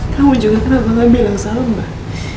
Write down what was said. kamu juga kenapa gak bilang salam mbak